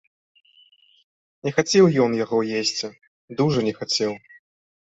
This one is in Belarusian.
Не хацеў ён яго есці, дужа не хацеў.